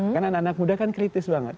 karena anak muda kan kritis banget